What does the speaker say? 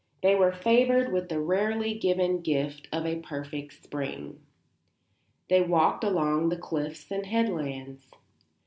They were favoured with the rarely given gift of a perfect spring. They walked along the cliffs and headlands.